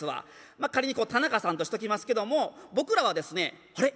まあ仮に田中さんとしときますけども僕らはですね「あれ？